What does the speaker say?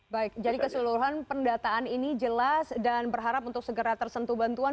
baik jadi keseluruhan pendataan ini jelas dan berharap untuk segera tersentuh bantuan